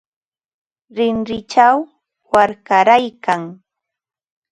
Rinrinchaw warkaraykan.